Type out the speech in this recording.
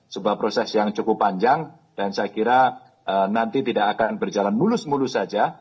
sebuah proses yang cukup panjang dan saya kira nanti tidak akan berjalan mulus mulus saja